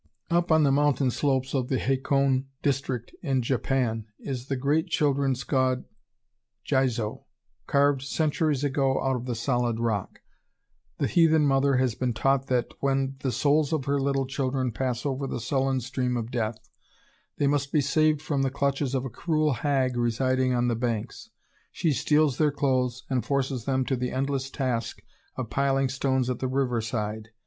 Up on the mountain slopes of the Hakone District in Japan, is the great children's god, Jizo, carved centuries ago out of the solid rock. The heathen mother has been taught that, when the souls of her little children pass over the sullen stream of death, they must be saved from the clutches of a cruel hag residing on the banks. She steals their clothes and forces them to the endless task of piling stones at the river side.